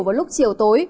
vào lúc chiều tối